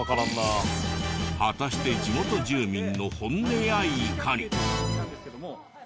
果たして地元住民の本音やいかに？